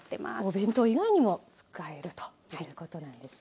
お弁当以外にも使えるということなんですね。